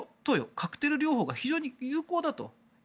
カクテル療法が非常に有効だと。